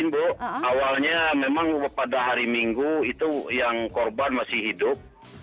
bu awalnya memang pada hari minggu itu yang korban masih hidup